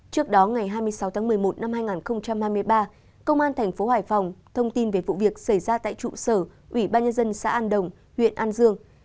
trước đó ngày hai mươi sáu tháng một mươi một năm hai nghìn hai mươi ba công an thành phố hải phòng thông tin về vụ việc xảy ra tại trụ sở ubnd xã an đồng huyện an dương